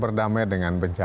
berdamai dengan bencana